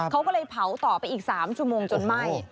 เขาก็เลยเผาต่อไปอีก๓ชั่วโมงจนไหม้